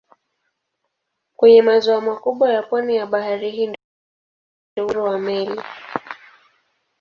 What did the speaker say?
Kwenye maziwa makubwa na pwani ya Bahari Hindi kuna pia usafiri wa meli.